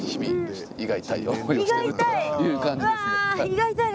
胃が痛い？